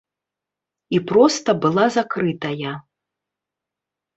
І проста была закрытая.